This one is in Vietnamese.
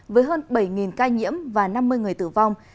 với hơn bảy ca nhiễm và năm mươi người tử vong